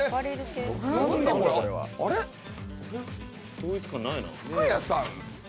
統一感ないな。